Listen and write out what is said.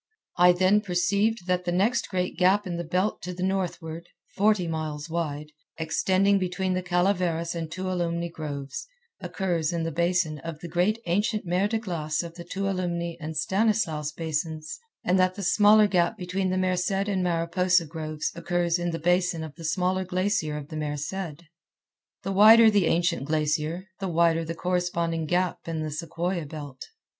I then perceived that the next great gap in the belt to the northward, forty miles wide, extending between the Calaveras and Tuolumne groves, occurs in the basin of the great ancient mer de glace of the Tuolumne and Stanislaus basins; and that the smaller gap between the Merced and Mariposa groves occurs in the basin of the smaller glacier of the Merced. The wider the ancient glacier, the wider the corresponding gap in the sequoia belt.